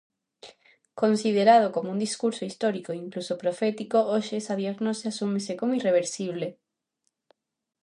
Considerado como un discurso "histórico" e incluso "profético", hoxe esa diagnose asúmese como irreversible.